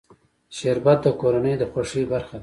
شربت د کورنۍ د خوښۍ برخه ده